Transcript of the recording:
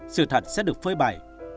sự thật sẽ được phơi bày